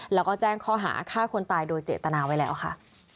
แล้วก็แจ้งข้อหาฆ่าคนตายโดยเจตนาไว้แล้วค่ะ